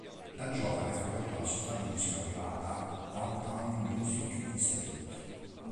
Da giovane frequentò la scuola di musica privata Downtown Music Institute.